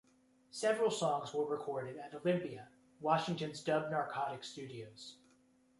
Several songs were recorded at Olympia, Washington's Dub Narcotic Studios.